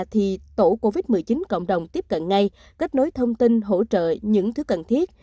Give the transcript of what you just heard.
thì tổ covid một mươi chín cộng đồng tiếp cận ngay kết nối thông tin hỗ trợ những thứ cần thiết